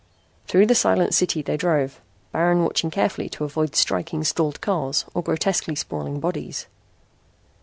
Through the silent city they drove, Baron watching carefully to avoid striking stalled cars or grotesquely sprawling bodies.